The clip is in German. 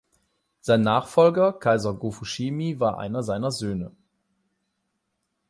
Sein Nachfolger Kaiser Go-Fushimi war einer seiner Söhne.